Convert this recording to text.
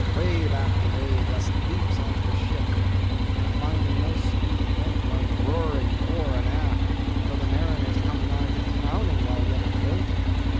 Wave after wave thus leaps into the ship, and finding no speedy vent runs roaring fore and aft, till the mariners come nigh to drowning while yet afloat.